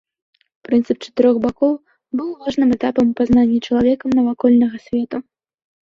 Прынцып чатырох бакоў быў важным этапам у пазнанні чалавекам навакольнага свету.